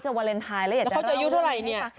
แล้วเขาจะอายุเท่าไรเนี่ย